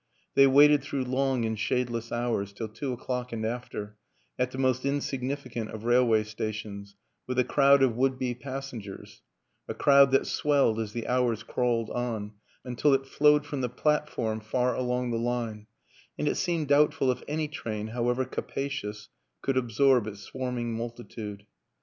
They waited through long and shadeless hours till two o'clock and after at the most insignificant of railway stations with a crowd of would be pas sengers ; a crowd that swelled as the hours crawled on until it flowed from the platform far along the line, and it seemed doubtful if any train, however capacious, could absorb its swarming multitude.